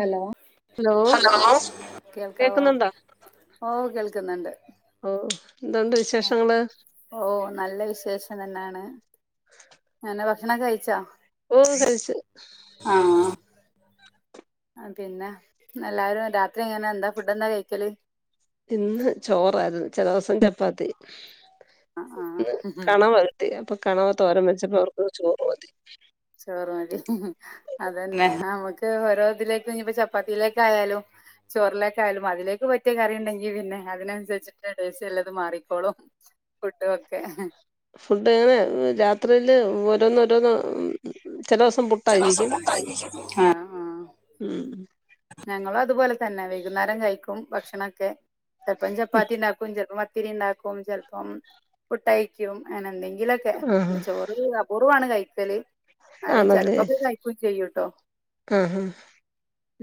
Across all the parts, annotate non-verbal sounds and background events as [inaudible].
Hello hello കേൾക്കാവോ കേക്കുന്നുണ്ടോ ഓ കേൾക്കുന്നുണ്ട് ഓ എന്തുണ്ട് വിശേഷങ്ങള് ഓ നല്ല വിശേഷം തന്നെയാണ് എങ്ങനെ ഭക്ഷണമൊക്കെ കഴിച്ചോ? ഓ കഴിച്ച് ആ പിന്നെ എല്ലാരും രാത്രി എങ്ങനെ എന്താ ഫുഡ് എന്താ കഴിക്കല്? ഇന്ന് ചോറായിരുന്നു ചില ദിവസം ചപ്പാത്തി ആ ആ ന്ന് കണവ കിട്ടി അപ്പൊ കണവ തോരൻ വെച്ചപ്പോൾ അവർകൊക്കെ ചോറ് മതി ചോറ് ക്ക് ഓരോ ഇതിലേക്ക് ഇനിയിപ്പോ ചപ്പാത്തിയിലേക്കായാലും ചോറിലേക്കായാലും അതിലേക്ക് പറ്റിയ കറി ഉണ്ടെങ്കില് പിന്നെ അതിനനുസരിച്ചിട്ട് ടേസ്റ്റല്ലേത് മാറിക്കോളും ഫുഡും ഒക്കെ ഫുഡ്‌ന് രാത്രിയില് ഓ രൊന്നോരൊന്ന് ഉം. ചില ദിവസം ആഹ് പുട്ടായിരിക്കും ഉം. ഞങ്ങൾ അതുപോലെ തന്നെ വൈകുന്നേരം കഴിക്ക് ക്കും ഭക്ഷണൊക്കെ ചെൽപ്പം ചപ്പാത്തി ണ്ടാക്കും ചെൽപ്പം പ ത്തിരി ഉണ്ടാക്കും ചെൽപ്പം പുട്ടായിരിക്കും അങ്ങനെ എന്തെങ്കി ന്തെങ്കിലൊക്കെ ആഹ് ചോറ് അബോ കുറവാണ് കഴിക്കല് ന്നാലും ചെൽപ്പൊക്കെ കഴിക്കും ചെയ്യൂട്ട [inaudible] ആഹ ഹഹ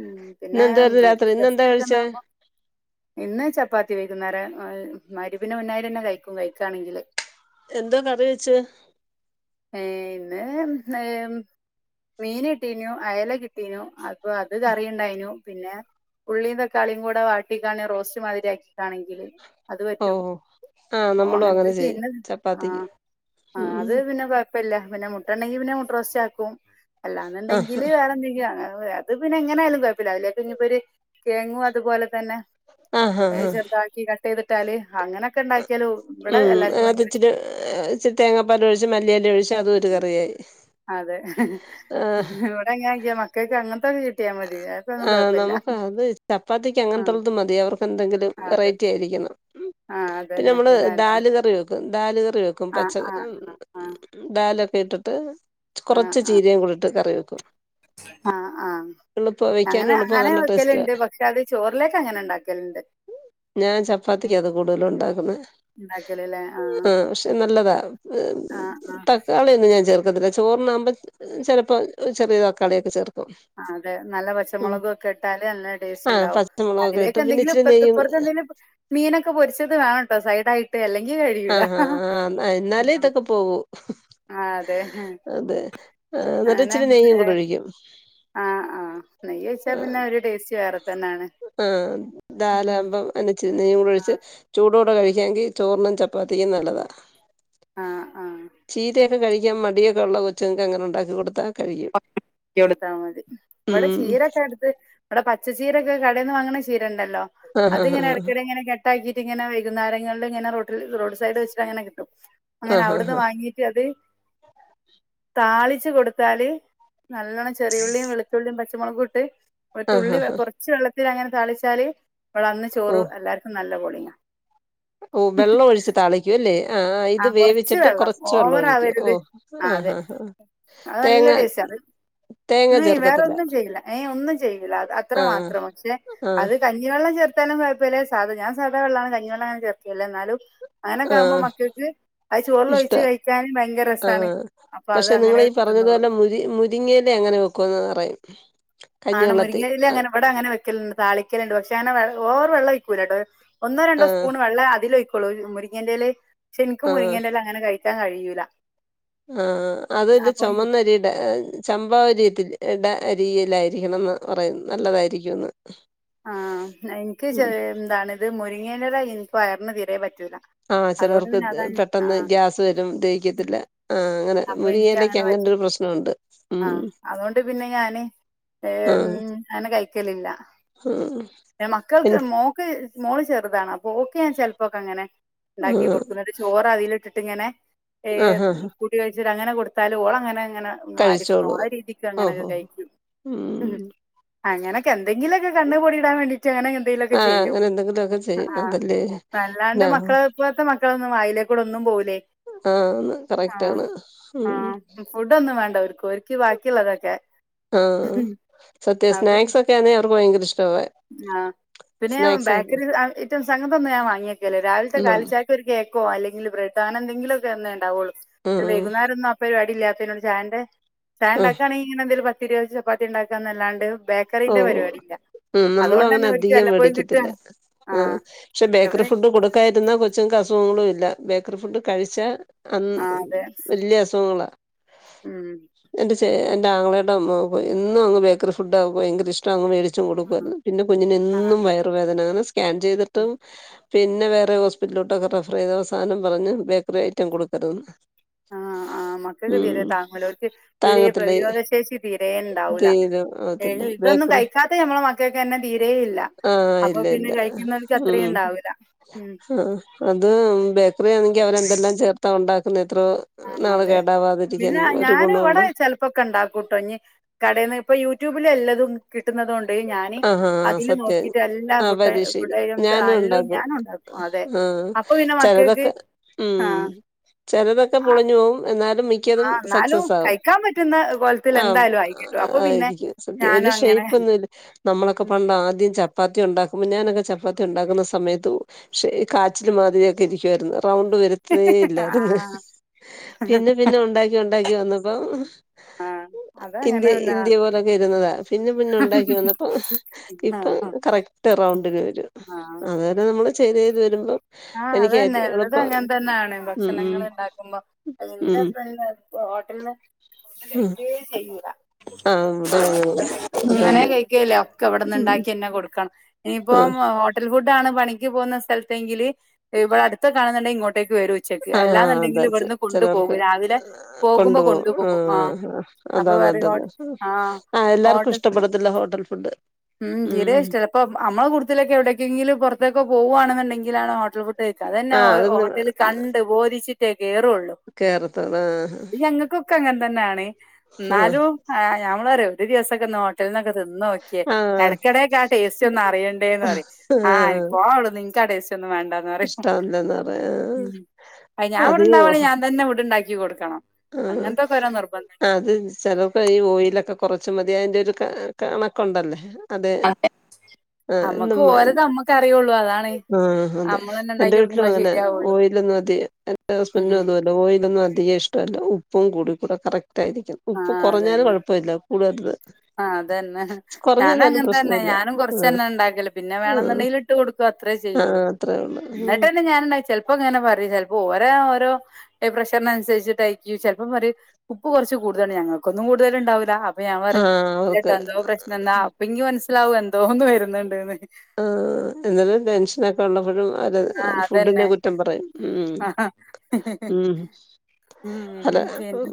ഉം പിന്നെ വീട്ടിന്റെ ഇന്നെന്താ ജസ്റ്റൊക്കെ കഴിച്ചേ ണ്ടാകുമ്പോ ഇന്ന് ചപ്പാത്തി വ ന്നേര മഗ്‌രിബിന്റെ മുന്നായിട്ടന്നെ കഴിക്കും കഴിക്കാണെങ്കില് എന്താ കറി വെച്ചേ ഏഹ്, ഇന്ന് ഏഹ് മീൻ കിട്ടീനു അയല കിട്ടീനു അത് അപ്പൊ അത് കറിയുണ്ടായിനു. പിന്നെ ഉള്ളീം തക്കാളികൂടെ വാട്ടികാണ്ട് റോസ്റ്റ് മാതിരി ആക്കി ക്കാണെങ്കിൽ അത് ഓ പറ്റും, ആഹ് ഓ നമ്മളും അങ്ങനെ ചെയ്യും ചെയ്യ ചപ്പാത്തിക്ക് ആഹ് ഉം അത് പിന്നെ കുഴപ്പല്ല പിന്നെ മുട്ടണെങ്കി പിന്നെ മുട്ടറോസ്റ്റ് ആക്കും. ആഹ് അല്ലാന്നുണ്ടെങ്കില് വേറെ എന്തെങ്കിലും അങ്ങനെ അത് പിന്നെ എങ്ങനെ ആയാലും കൊഴ പ്പല്ല, അതിലേക്ക്‌ ഇനിപൊര് കുഴങ്ങും അതുപോലെ തന്നെ ചെറുതാക്കി കട്ട് കട്ടെയ്തിട്ടാല് അ, ഉം [unintelligible] ഭയങ്കര ഇഷ് ഇച്ചിരി തേങ്ങപാലോയിച്ച് മല്ലിയെല ഒഴിച്ച അത് ഒരു കറിയായി. അതെ ആ [inaudible] ഇവിടെ അങ്ങനൊക്കെയാ മകൾക്ക് [unintelligible] ആഹ് നമുക്ക് അതെ ചപ്പാത്തിക്ക് ആഹ് അങ്ങൻതൊക്കെ മതിയായിരുന്നു അവർക്ക് എന്തെങ്കിലും അതെ വെറൈറ്റി ആയിരിക്കണം. ആഹ് പിന്നെ അതന്നെ നമ്മള് അല്ലാതെ ദാല് കറി വെക്കും ദാല് കറി വെക്കും ആഹ് പച്ച ആഹ് ഹ്മ്മ് ആഹ് ആഹ് ദാല ഇട്ടിട്ട് ആഹ് കുറച്ച് ആഹ് ചീരയും കൂടിയിട്ട് കറി വെക്ക. ആഹ് ആഹ് എളുപ്പ വെക്കാൻ അങ്ങനെ എളുപ്പ അങ്ങനെ നല്ല ടേസ്റ്റാ. വെക്കലുണ്ട്. പക്ഷെ അത് ചോറിലേക്ക് അങ്ങനെ ഉണ്ടാക്കലുണ്ട്. [inaudible] ഞാൻ ചപ്പാത്തിക്ക് അത് കൂടുതലണ്ടാക്ക്നെ, ആഹ് പക്ഷെ നല്ലതാ ആഹ് ആഹ് തക്കാളിയൊന്ന് ചേർ ക്കത്തില്ല, ചോറിനാവുമ്പോ ചെലപ്പോ ചെറിയ തക്കാളിയൊക്കെ ചേർക്കും. ആഹ് [unintelligible] അതെ നല്ല രസം ഉം പച്ചമുളകും ഒക്കെ ഇട്ടാല് നല്ല ടേസ്റ്റ് ആഹ് ഉണ്ടാവും. പച്ചമുളകൊക്കെ അതിലേക്ക് ഇട്ട് പിന്നെ എന്തെങ്കിലും ഇച്ചിരി ഇപ്പ നെയ്യും ഇപ്പുറത്തെ എന്തെങ്കിലും മീനൊക്കെ പൊരിച്ചത് വേണട്ടോ സൈഡ് ആയിട്ട് അല്ലെങ്കിൽ കഴിയൂല ആഹ് എന്നാലേ ആഹ് ഇതൊക്കെ പോകൂ അതെ അതെ ആഹ് എന്നിട്ട് അനെ ഇച്ചിരി നെയ്യും കൂടെ [inaudible] [inaudible] ആഹ്, പിന്നെ ഒരു ടേസ്റ്റ് വേറെ തന്നെയാണ് ആഹ് ഉം ദാലാവുമ്പോ എണ്ണയിച്ചു നെയ്യും കൂടെ ഒഴിച്ച് ആഹ് ചൂടോടെ കഴി കഴിക്കാണെങ്കിൽ ചോറിനും ചപ്പാത്തിക്കും നല്ലതാ ആഹ് ആഹ് [inaudible] ചീരയൊക്കെ കഴി ക്കാൻ മടിയൊക്കെ ഒള്ള കൊച്ചങ്ങക്ക് അങ്ങനെ ഉണ്ടാക്കി കൊടുത്താ [unintelligible] ടുത്താ മതി. ഇവടെ ഉം ചീരക്കെട്ത്ത് ഇവടെ പച്ചചീരെക്കെ കടേന്ന് വാങ്ങുന്നാ ചീ രണ്ടല്ലോ, ആഹ് ആഹ് അത്ങ്ങനെ ഇടക്കിടെ ഇങ്ങനെ കെട്ടാക്കി ട്ടിങ്ങനെ വൈകുന്നേരങ്ങള്ല് ഇങ്ങനെ റോട്ടില് റോഡ്സൈഡ് വച്ച്ട്ടങ്ങനെ ക്കെട്ടും അങ്ങനെ ആഹ് അവ്ടുന്ന് ആഹ് വാങ്ങീട്ട് അത് താളിച്ചു കൊടുത്താല് നല്ലോണം ചെറിയുള്ളിയും വെളുത്തുള്ളിയും പച്ച ഇങ്ങളെകുട്ട് ഒര് ആഹ് തുള്ളി വെ ആഹ് കൊറച്ച് വെള്ള ഇതിലങ്ങനെ താളിച്ചാല് മ്മളന്ന് ചോറ് എല്ലാർക്കും നല്ലപൊലെ ഓ വെള്ളം ഒഴിച്ച് താളിക്കു എല്ലേ ആ കൊറച്ച് വെള്ളം ഒഴിക്കും ഓവറാകരുത് ഓഹ് ആ ആഹ് അതെ ആഹ് ആഹ് അത് തേങ്ങ നല്ല ടേസ്റ്റാന്ന് തേങ്ങ നി ചേർക്കത്തില്ല വേറൊന്നും ചെയ്യില്ല ഏ ഒന്നും ചെയ്യുല്ല അത് അത്ര ആഹ് മാത്രം പഷേ ആഹ് അത് കഞ്ഞിവെള്ളം ചേർത്താലും കൊയ പ്പിലാ സാധാ ഞാൻ സാധാ വെള്ളാണ് കഞ്ഞിവെള്ളംഞാൻ ചേർക്കില്ല എന്നാലും ആങ്ങനൊക്കെയാമ്പോ മക്ക് ഇഷ്ടാ രസാണ് ആഹ് അപ്പൊ അത് പക്ഷെ അങ്ങനെ നിങ്ങളീ തിന്നോളും പറഞ്ഞതുപോലെ മുരി മുരിങ്ങയിലേങ്ങനെ വെക്കുവന്ന് പറയും ആണ് കഞ്ഞിവെള്ളത്തി മുരിങ്ങയില്ലേ ആഹ് അങ്ങനെ ഇവിടെ അങ്ങനെ വെക്കലുണ്ട് താളിക്കല്ണ്ട് പക്ഷെ അനെ വെ ഓവ്റ് വെള്ളോഴിക്കൂലട്ടോ ഒന്നോ രണ്ടോ സ്പൂൺ വെള്ളേ അതിലൊയ് ക്കൊള്ളോര് മുരിങ്ങേൻന്റെലേ ശെനിക്കും മുരിങ്ങേൻെല്ല അങ്ങനെ കഴിക്കാ കഴിയ് യൂല ആഹ്ആ അതൊരു ചൊമന്നരീടെ ചമ്പാവരീത്തില്ലെ എടെ അരിയിലായിരിക്കണംന്ന് പറയ്ന്ന് നല്ലതായിരിക്കുംന്ന് ആ എൻക്ക് ഉം ചെലേ ഉംന്താണിത് മുരി ഇങ്ങനേ [unintelligible] ൻക് വയറ്ന് തീരെ പ റ്റ്താ ആഹ് അതുകൊണ്ട് ചിലർക്ക് പിന്നെ അതാന് ആ പെട്ടെന്ന് ഗ്യാസ് വരും ദഹിക്കത്തില്ല ആഹ് അങ്ങനെ അപ്പൊ എനിക്ക് മുരിങ്ങയിലക്ക് അങ്ങനെ വച്ച് അങ്ങനൊരു പ്രശ്നമുണ്ട് ഉം ആഹ് അതുകൊണ്ട് പിന്നെ ഞാന് ഏ ഉം ആഹ് ആനെ കഴിക്കലില്ല ആഹ് ന്നെ മക്കൾക്ക് പിന്നെ മോക്ക് മോള് ചെറുതാണ് മോൾക്ക് ഞൻ ചെലപ്പോക്കെ അങ്ങനെ ഉണ്ടാക്കി കൊടുക്കും ചോറ് അതിൽ ഇട്ട് ഇങ്ങനെ ഏ ആഹ് ആഹ് ആഹ് കൂട്ടി വിഴ്ച്ച് അങ്ങനെ കൊടുത്താലും ഓളങ്ങനെ ങ്ങനെ അങ്ങ് വരിതിന്നോ കഴിച്ചോളൂ ആ രീതിക്ക് അങ്ങനൊക്കെ ഓഹോ കൈക്കും ഉം അങ്ങനക്കെ എന്തെങ്കിലൊക്കെ കണ്പൊടിടാൻ വേണ്ടി എന്തെങ്കിലുമൊക്കെ ഒക്കെ ആഹ് ചെയ്യും അങ്ങനെ എന്തെങ്കിലുമൊക്കെ ആ ചെയ്യും ആ അതല്ലേ വല്ലാണ്ട് ആഹ് മക്കള് ഇപ്പത്തെ മക്കളൊന്നും വാഴിലേ ഇന്നും പോയി ആ കറക്റ്റാണ് ഉം ആഹ് ഫുഡൊന്നും വേണ്ട ഓര്ക്ക്. ഓര്ക്ക് ബാക്കിയുള്ളതൊക്കെ ആ സത്യ സ്നാക്ക്സ് ഒക്കെ ആണേല് അവിടെ ആ പിന്നെ സ്നാക്സ് ഉം ബേക്കറി ഏറ്റവും സംഗത്തൊന്നും ഞാൻ വാങ്ങി വക്കില്ല രാവിലത്തെ ഉം കാലിച്ചായക്ക് ഒരു കേക്ക് ഓ അല്ലെങ്കിൽ ബ്രഡ് എന്തെങ്കിലൊണ്ടാവുള്ളു വൈകുന്നേരം അപ്പൊ ആയിട്ടില്ല [unintelligible] ചായ ആഹ് ഉണ്ടാക്കുവാണെങ്കിൽ ഇങ്ങനെ എന്തെങ്കിലും പറ്റൂ.., ഇരുപത് ചപ്പാത്തി ഉണ്ടാക്കാന്നല്ലാണ്ട് ബേക്കറിന്റെ ഓഹ് പരിപാടി ഉം നമ്മളും അങ്ങനെ അധികം മേടിക്കത്തില്ല കിട്ടാണ്. ആ ആഹ് പക്ഷെ ബേക്കറി എവിടെ ഫുഡ് കൊടുക്കാതിരുന്നാ കൊച്ച്ങ്ങൾക്ക് അസുഖ.. തോന്നൂല ഇല്ല ബേക്കറി ഫുഡ് കഴിച്ചാൽ അന്ന് ആഹ് അതെ വല്യ അസുഖങ്ങളാ ഉം എന്റെ ചേ ആങ്ങളുടെ മോൾക്ക് എന്നും ബേക്കറി ഫുഡ് ആകും ഭയങ്കര ഇഷ്ട്ടാണ് അങ്ങ് മേടിച്.... ആഹ് കൊടുക്കയിരുന്നു പിന്നെ കുഞ്ഞിന് ആഹ് എന്നും അതെ വയറ് വേദനയാണ് സ്കാൻ ചെയ്തിട്ടും പിന്നെ വേറെ ഹോസ്പിറ്റലിലോട്ട് റഫർ ചെയ്തു അവസാനം പറഞ്ഞു ബേക്കറി ഐറ്റം കൊടുക്കരുന്ന് ആ ആ മക്കൾക്ക് തീരെ താങ്ങൂല അവർക്ക് തിരെ താങ്ങത്തില്ല പ്രതിരോധ ശേഷി തിരെ ഉണ്ടാവൂല തീരെ ഏ, ഇതൊന്നും ബേക്കറി കഴിക്കാത്ത ഞമ്മളെ മക്കൾക്കന്നെ തീരേ ഇല്ല. ആ അപ്പൊ ഇല്ല പിന്നെ ഇല്ലാ കഴിക്കുന്നവർക്ക് അത്രയും ഉം ഉണ്ടാവൂല ഉം അത് ബേക്കറി ആണെങ്കിൽ അവര് എല്ലാം ചേർത്താ ഉണ്ടാക്കുന്നത് ആ അതെ പിന്നെ ഒരു ഞാന് ഗുണമുള്ള അവിടെ ചെലപ്പോ ഒക്കെ ഉണ്ടാക്കൂട്ടോ ഇനി കേടന്ന് ഇപ്പൊ യൂട്യൂബിൽ എല്ലാത തും കിട്ടുന്നതോണ് ആഹാ സത്യ ആ ഫുഡ് ഫുഡ് പരീക്ഷിക്കും ഐറ്റംസ് ഞാനും എല്ലതും ഉണ്ടാക്കും ഞാൻ ഉണ്ടാക്കും അതെ ആഹ അപ്പൊ പിന്നെ മക്കൾക്ക് ചിലതൊക്കെ ഉ ആഹ് ചിലതൊക്ക ഒക്കെ പൊളഞ്ഞുവും എന്ന മിക്കതും ആഹ് എന്നാലും സക്സസാവും കഴിക്കാൻ പറ്റുന്ന കോലത്തിൽ ആ എന്തായാലും ആയി കിട്ടും അപ്പൊ പിന്നെ ആയിരിക്കും വല്യ ഞാനും അങ്ങനെ ഷേയിപ്പ് ഒന്നുമില്ല... നമ്മളൊക്കെ ഉം പണ്ട ആദ്യം ചപ്പാത്തി ഉണ്ടാക്കും ഞാനൊക്കെ ചപ്പാത്തി ഉണ്ടാക്കുന്ന സമയത്ത പക്ഷേ കാച്ചിൽ മാതിരിയൊക്കെ ഇരിക്കുവായിരുന്നു പൗണ്ട് വരുത്തുകേ ഇല്ലായിരുന്നു ആഹ് പിന്നെ പിന്നെ ഉണ്ടാക്കി ഉണ്ടാക്കി വന്നപ്പോ ആഹ് ഇന്ത്യ അതങ്ങനെ തന്നാ ഇന്ത്യ പോലൊക്കെ ഇരുന്നതാ പിന്നെ പിന്നെ ഉണ്ടാക്കി വന്നപ്പോ ഇപ്പം ആഹ് കറക്റ്റ് റൗണ്ടിന് വരും ആഹ് അതായത് നമ്മൾ ചെയ്യുന്ന... ത് വരുമ്പോ ആഹ് അത തന്നെ എല്ലതും അങ്ങനെ തന്നെയാണ് ഉം ഭക്ഷണങ്ങൾ ഉണ്ടാക്കുമ്പോ ഉം എറെബ ഹോട്ടലന്ന് ഫുഡ് ഉം കഴിയ്കെ ചെയ്യുല്ല ആഹ് ഇവിടെ അങ്ങനെ അത് തന്നെ ഇക്കവിടുന്നു ണ്ടാക്കി തന്നേ കൊടുക്കും ക്കാണ് ഇനിയിപ്പം ആഹ് ഹോട്ടൽ ഫുഡ് ആണ് പണിക്ക എ പോന്ന സ്ഥലത്തെ എങ്കില് ഇവിടെ അടുത്തൊക്കെ ആണുന്നുണ്ടെങ്ക ഇങ്ങോട്ട് ക്ക് വരും ഉച്ചക്ക് ആഹ് അതാ അല്ലാന്നുണ്ടെങ്കിലും ചെ ഇവിടെന്ന് കൊണ്ടു പോകും ചിലർക്ക് രാവിലെ പോകുമ്പോ കൊണ്ടുപോകും ആ അപ്പൊ അതാ വേറെ നല്ലത് ഹോട്ട അ ആഹ് ഹോട്ട എല്ലാർക്കും ഇഷ്ടപ്പെടത്തില്ല ഹോട്ടൽ ഫുഡ് ഉം തീരെ ഇഷ്ടല്ല ഇപ്പ നമ്മള കൂടുത്തിലൊക്കെ എവിടക്കെങ്കിലും പുറത്തേക്ക പോകവാണെന്നുണ്ടെങ്കിലാണോ ഹോട്ടൽ ഫുഡ് കഴിയ്ക്ക അതന്നെ ആഹ് അതൊന്നും ഹോട്ടലൽ കണ്ട് ബോധിച്ചിട്ട് കേറള്ളു കേറത്തോളൂ ആഹ് അത് ഞങ്ങൾക്കൊക്കെ അങ്ങനെ തന്നെയണ ആഹ് എന്നാലും ഞമ്മള അറിയ രു ദിവസൊക്കെ ഹോട്ടലിന്ന് ഒക്കെ തി തിന്നു നോക്കിയേ ആഹ് ഇടക്കിടക്കെ ആ ടേസ്റ്റ് ഒന്നും അറിയണ്ടേന്ന് പറയും ആ ആഹ് പോ അവിടുന്ന് നിക്ക് ആ ടേസ്റ്റ് ഒന്നും വേണ്ട റയും ഇഷ്ടമല്ലെന്ന് പറയാ ഉം ഞാൻ ഇവിടെ അത് ഉണ്ടാവനേൽ ഞാൻ തന്നെ ഉണ്ടാക്കി കൊടുക്കണം ആ അങ്ങനത്തൊക്കെ ഓരോ നിർബന്ധം അത് ചെിലപ്പോ ഈ ഓയിലൊക്കെ കുറച്ച മതി തിന്റെ ഒരു കണക്കുണ്ടല്ലേ അതെ ആ എന്ന അമ്മക്ക് ഓരത് അമ്മക്ക് അറിയുള്ളൂ അതാണ് ആ അതെ നമ്മളന്നെ എന്റെ ഇണ്ടാക്കി വീട്ടിലും കൊടുക്കുമ്പളേ അങ്ങനെ ശരിയാവുള്ളൂ ഓയിലൊന്നും അധികം എന്റെ ഹസ്ബെറ്റിനും ഉം അതുപോല ഓയിലൊന്നും അധികം ഇഷ്ട ഉപ്പും കൂടി കൂടെ കറക്റ്റ് ആയിരിക്കും ആഹ ഉപ്പ് കുറഞ്ഞാലും അതന്നെ കുഴപ്പമില്ല കൂടരുത് ആ അതന്നെ ഞാനും കുറഞ്ഞന്നാലും അങ്ങനത്തെ തന്നെ പ്രശ്നമില്ല ഞാനും കൊറച്ച ആഹ് തന്നെ ഉണ്ടാക്കല്ല പിന്നെ ആഹ് വേണെന്നുണ്ടെങ്കിൽ ഇട്ട് കൊടുക്കുവ അത്രേ ആഹ് ചെയ്യുള്ളൂ അത്രേ ഉള്ളൂ എന്നിട്ട് തന്നെ ഞാനണ്ടാക്കി ചിലപ്പോ ഇങ്ങനെ പറയും ച അപ്പൊ ഓരോ ഓരോ ഡിപ്രഷറി അനുസരിച്ചിട്ടായിക്ക ചിലപ്പോം ഒരു ഉപ്പ് കൊറച്ച് കൂ ഞങ്ങക്കൊന്നും കൂടുതല്ണ്ടാവില്ല അപ് പ്പ ഞാൻപറയു ആഹ് അവർക്ക് ഇങ്ങക്കെന്തോ പ്രശ്നന്താ പ്പയ്ൻക്ക് ലവ് എന്തോന്ന് വരുന്നുണ്ട്ന്ന്. ആ എന്നാലും ടെൻഷനൊക്കെള്ള [unintelligible] അതെ ആ ഫുഡിനെ അതന്നെ കുറ്റം പറയും ഉം ആ ഉം ഉം അല ഉം. പിന്നെ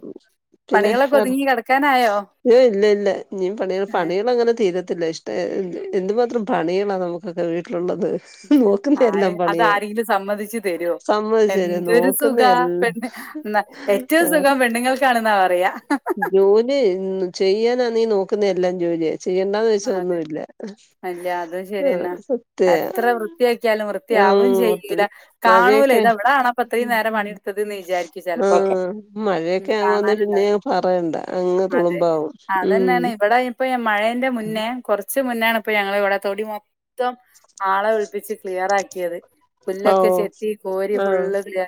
പിന്നെ പണികളൊക്കെ വേറെ ഒതുങ്ങി കിടക്കാനായോ ഏ ഇല്ലില്ല ഞ്ഞി പണിക ഏഹ് പണികളങ്ങനെ തീരത്തില്ല ഇഷ്ട ന്ത്‌ എന്തുമാത്രം പണിയാ നമുക്കൊക്കെ വീട്ടിലൊള്ളത്. നോക്കുന്ന ആര് എല്ലാം അത് പണിയ ആരെങ്കിലും സമ്മതിച്ചു തരുവോ സമ്മതിച്ചന്നെ എന്തൊരു നോക്കുന്ന സുഖാ എല്ലാം പെണ്ണ് ന്ന ഏറ്റവും സുഖം പെണ്ണുങ്ങൾക്കാണെന്നാ പറയാ ജോലി ചെയ്യാന നീ നോക്കുന്ന എല്ലാം ജോലിയാ ചെയ്യണ്ടാന്ന് വെച്ച അതെ ഒന്നുല്ല. അല്ല അതും ശരിയെന്നാ എത്ര വൃത്തിയാക്കിയാലും ആ വൃത്തിയാവും ഒത്ത് ചെയ്യൂല കാണൂല മഴയൊക്കെ ഇത എവിടെണപ്പ ഇത്രയും നേരം പണിയെടുത്തതെന്ന്‌ വിചാരിക്കു ആ ചെലപ്പോക്കെ മഴയൊക്കെ ആവുവാന്നെ കാണാൻ പിന്നെ ണ്ടാവൂല പറയണ്ട അങ്ങ് അതെ തുളുമ്പാവും ഉം അതന്നെയാണ് ഇവിടെ ഇപ്പ മഴെന്റെ മുൻ ന്നെ കൊറച്ച് കുച്ച് മുനാണെപ്പ ഞങ്ങളിവിടെ തൊടി മൊത്തം ആളെ വിളിപ്പിച്ച് ക്ലിയറാക്കിയത്. ഓ പുല്ലക്കെ ചെത്തി കോരി ആ ഫുള്ള് ക്ലിയ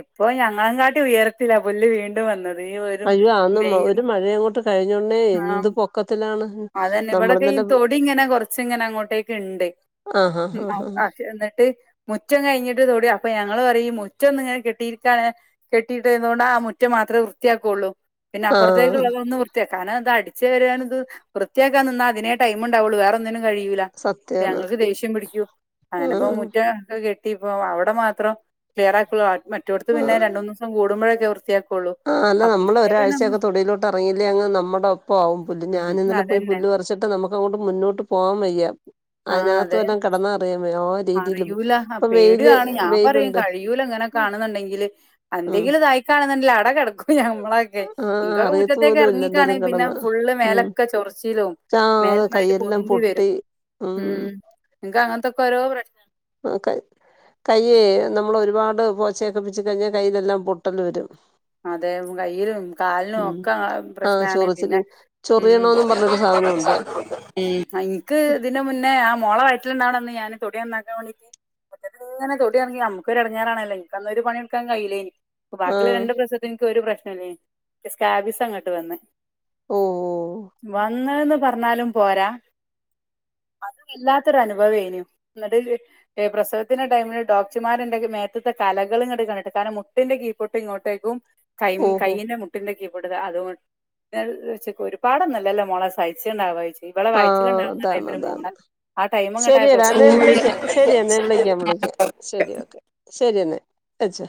ഇപ്പ ഞങ്ങളും കാട്ടി ഉയരത്തില പുല്ല് വീണ്ടും വന്നത്. ഈ ഒരു അയ്യോ അന്ന് വെയിലും ഒരു മഴ അങ്ങോട്ട് കഴിഞ്ഞോടനെ എന്ത് ആഹ് പൊക്കത്തിലാണ് അതന്നെ നമ്മള് ഇവിടൊക്കെ ഈ ഇന്നലെ തൊടി ഇങ്ങനെ കൊറച്ചങ്ങനെ അങ്ങോട്ടേക്ക് ണ്ട് ആ ആ ആ അ എന്നിട്ട് മുറ്റം കഴിഞ്ഞിട്ട് തൊടി അപ്പ ഞ ഞങ്ങള് പറയും മുറ്റ ഒന്ന്‌ ഇങ്ങനെ കെട്ടിരിക്ക കെട്ടിയിട്ടതുകൊണ്ട് ആ മുറ്റ മാത്ര വൃത്തിയാക്കുള്ളൂ. ആ ആ പിന്നെപ്പറത്തേുള്ളതൊന്ന് വൃത്തിയാക്കാനാ ഇതട് ച്ച് വാരാനിത് വൃത്തിയാക്കാൻ നിന്നാ അതിനേ ടൈംമുണ്ടാവൊള്ളൂ വേറൊന്നിനും കഴിയൂലാ ട്ട് സത്യാണ് ഞങ്ങൾക്ക് ദേഷ്യം പിടിക്കൂ ആ അങ്ങനിപ്പ മുറ്റം ഒക്കെ കെട്ട് പ്പ അവിടെ മാത്രം ക്ലിയർക്കുള മറ്റൊടുത്ത് പിന്നെ രണ്ടൂന്നൂസം കൂടുമ്പഴെ വൃത്തിയാ ആ അല്ല നമ്മള ഒരാഴ്ചയൊക്കെ തൊടിലോട്ട് എറങ്ങിയില്ലേ അങ്ങ് നമ്മടൊപ്പാവും പുല്ല് ഞാന് ഉം ഇന്നലെ പോയി അതന്നെ പുല്ല് പറിച്ചിട്ട് നമുക്ക് അങ്ങോട്ട് മുന്നോട്ട് പോവാൻ വയ്യ. ആ അതിനകത്ത് അതെ വല്ലോം കിടന്നാ അറിയാൻ വയ്യ ആ രീതിയിലും അറിയൂല അ ഇപ്പൊ വെയില് പേടിയാണ് ഞാൻ പറയും വെയിലുണ്ട് കഴിയൂല ഇങ്ങനൊക്കെയാണെന്നുണ്ടെങ്കിൽ ഉം എന്തെങ്കിലും ഇതായിക്കാണ ആടെ കെടക്കും ഞമ്മള ക്കെ ആഹ് ഇങ്കക്ക് അറിയത്ത് മുറ്റത്തേക്ക് പോലും ഇല്ല എറങ്ങിക്കാണെ എന്തേലും പിന്നെ കിടന്ന് ഫുള്ള് ഉം മേലൊക്കെ ചൊറച്ചിലും ആഹ് മേൽന്നായിട്ട് കൈയെല്ലാം പൊന്തി വരും. പൊട്ടി ഉം ഇ അങ്ങനത്തൊക്കെഓരോ പ്രശ്ന ആ കയ്യേ നമ്മൾ ഒരുപാട് പ പോച്ചൊക്കെ പിച്ചകെ കഴിഞ്ഞാ കയ്യിലെല്ലാം പൊട്ടല് വരും അതെ കയ്യിലും കാലിനും ഉം ഒക്കെ ആഹ് പ്രശ്നണ് പിന്നെ ചൊറിച്ചില് ഉ ചൊറിയണോന്നും പറഞ്ഞൊരു സാധനമുണ്ട് ഉ എനിക്ക് ഇതിന്റെ മുന്നേ ആ മോള വയറ്റില് ഇ ണ്ട് ഞാന് തൊടി നന്നാക്കാൻ വേണ്ടീട്ട് ഒറ്റീങ്ങനെ തൊടി ഇറങ്ങി നമു ഒരു അടഞ്ഞാറാല്ലോ അന്ന് പണി എടുകാ ൻ കയ്യില്ലേ നി അപ്പ ബാക്കി ആഹ് രണ്ടം ഒരു പ്രശ്നംല്ലേ സ്കാബിസ് അങ്ങോട്ട് വന്ന് ഓഹ് ഓഹ് വന്നന്ന പറഞ്ഞാലും പോരാ അത വല്ലാത്തൊരു അനുഭവേനു എന്നിട്ട് പ്രസവത്തിന്റെ ടൈമിൽ ഡോക്ടർമാർ മേത്തത്തെ കലകളും എടുക്കണിട്ട് കാരണം മുട്ടിന്റെ കീപൊട്ട് ഇങ്ങോട്ടേക്കും ക ഓഹോ കൈയിന്റെ മുട്ടിന്റെക്ക [unintelligible] ഒരുപാടൊന്നുമല്ലല്ലോ മോളെ സഹിച്ചുണ്ടാവായി ആ അതാണ് അതാണ് ആ ടൈം ഇങ്ങട്ടായപ്പോ ശരിയടാ എന്ന ഫുള്ള് വിളിക്കാം ശരി എന്നെന്നേ വിളിക്കാം വിളിക്കാം ശരി ഓക്കെ ശരി എന്നെ അച്ച